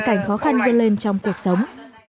cảnh khó khăn gây lên trong cuộc sống